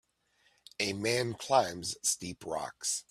A man climbs steep rocks